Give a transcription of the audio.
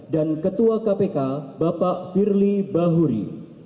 dan ketua kpk bapak firly bahuri